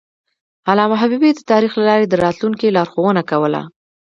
علامه حبیبي د تاریخ له لارې د راتلونکي لارښوونه کوله.